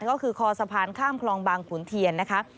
ก็คือคอสะพานข้ามคลองบางขุนเทียนนะคะ